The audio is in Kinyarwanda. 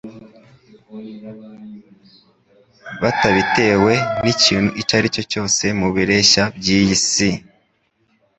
batabitewe n'ikintu icyo aricyo cyose mu bireshya by'iyi si